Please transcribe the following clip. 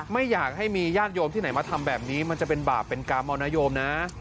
ไม่อยากให้มีญาติโยมที่ไหนมาทำแบบนี้มันจะเป็นบาปเป็นกรรมนโยมนะ